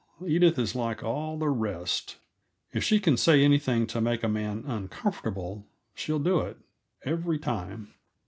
Edith is like all the rest: If she can say anything to make a man uncomfortable she'll do it, every time.